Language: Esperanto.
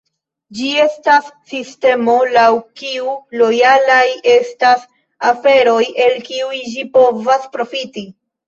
Ĝi estas sistemo, laŭ kiu lojalaj estas aferoj el kiuj ĝi povas profiti.